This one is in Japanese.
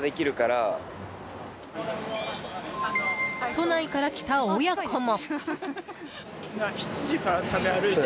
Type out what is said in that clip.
都内から来た親子も。